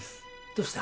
どうした？